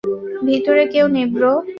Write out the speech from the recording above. ভিতরে কেউ নেই, ব্রো।